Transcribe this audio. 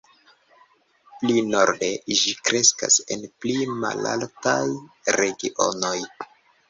Pli norde, ĝi kreskas en pli malaltaj regionoj.